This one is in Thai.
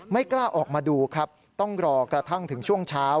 ไม่กล้าออกมาดูครับต้องรอกระทั่งถึงช่วงเช้า